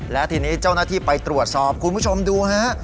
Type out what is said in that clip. และทีนี้เจ้าหน้าที่ไปตรวจสอบคุณผู้ชมดูฮะ